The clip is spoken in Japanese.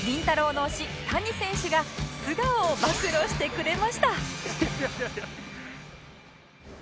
の推し谷選手が素顔を暴露してくれました